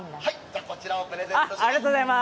こちらをプレゼントします。